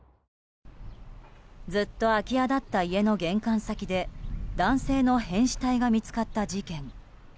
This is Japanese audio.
ずっと空き家だった家の玄関先で男性の変死体が見つかった事件。